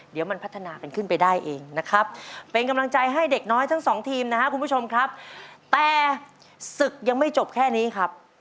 เดี๋ยวมันพัฒนากันขึ้นไปได้เองนะครับ